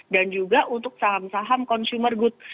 dan juga untuk saham saham consumer good